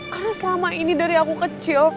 karena selama ini dari aku kecil